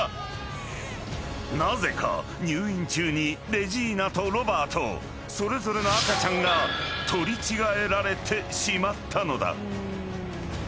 ［なぜか入院中にレジーナとロバートそれぞれの赤ちゃんが取り違えられてしまったのだ］